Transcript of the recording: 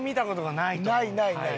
ないないない。